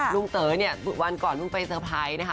เต๋อเนี่ยวันก่อนเพิ่งไปเซอร์ไพรส์นะคะ